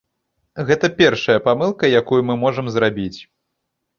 Гэта першая памылка, якую мы можам зрабіць.